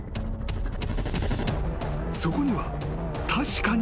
［そこには確かに］